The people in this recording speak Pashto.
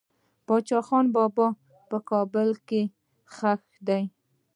باچا خان بابا په کابل کې خښ دي.